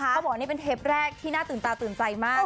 เขาบอกว่านี่เป็นเทปแรกที่น่าตื่นตาตื่นใจมาก